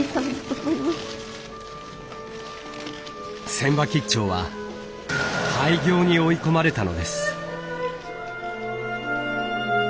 船場兆は廃業に追い込まれたのです。